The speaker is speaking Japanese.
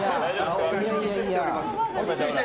落ち着いて。